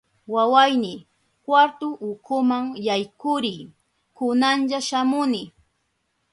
Wawayni, kwartu ukuma yaykuriy, kunalla shamuni.